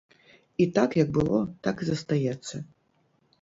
І так, як было, так і застаецца.